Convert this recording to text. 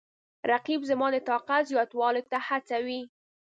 رقیب زما د طاقت زیاتولو ته هڅوي